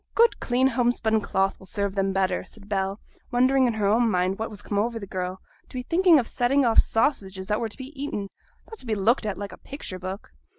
'A good clean homespun cloth will serve them better,' said Bell, wondering in her own mind what was come over the girl, to be thinking of setting off sausages that were to be eaten, not to be looked at like a picture book.